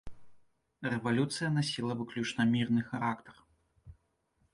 Рэвалюцыя насіла выключна мірны характар.